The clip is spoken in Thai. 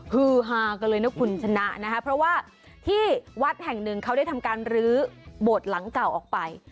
ฮือฮากันเลยนะคุณชนะนะคะเพราะว่าที่วัดแห่งหนึ่งเขาได้ทำการรื้อโบสถ์หลังเก่าออกไป